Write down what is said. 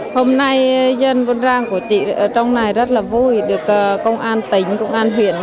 hôm nay dân quân rang của chị ở trong này rất là vui được công an tỉnh công an huyện